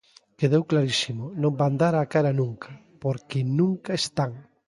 Quedou clarísimo, non van dar a cara nunca, porque nunca están.